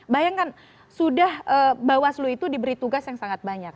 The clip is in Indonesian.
bayangkan sudah bawaslu itu diberi tugas yang sangat banyak